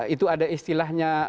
itu ada istilahnya